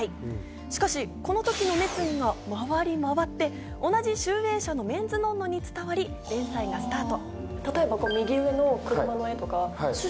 しかし、この時の熱意が回り回って、同じ集英社の『メンズノンノ』に伝わり、連載がスタート。